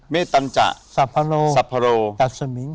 เมตัญจสะพะโลกัสมิง